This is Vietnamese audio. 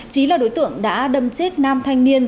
trí là đối tượng đã đâm chết nam thanh niên